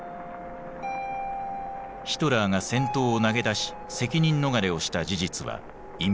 ヒトラーが戦闘を投げ出し責任逃れをした事実は隠蔽された。